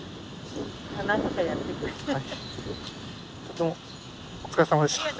どうもお疲れさまでした。